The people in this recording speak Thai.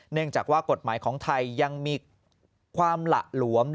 เนื่องจากว่ากฎหมายของไทยยังมีความหละหลวม